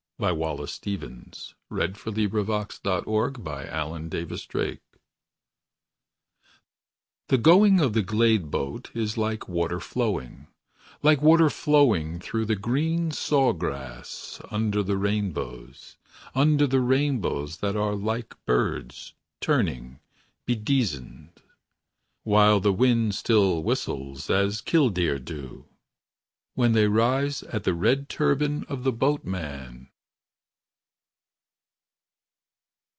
19, No. 1 http://modioum.org/ http://librarv.brown.edu/pdfs/1224686523296875.pdf The going of the glade boat Is like water flowing; Like water flowing Through the green saw grass. Under the rainbows; Under the rainbows That are like birds. Turning, bedizened. While the wind still whistles As kildeer do. When they rise At the red turban Of the boatman.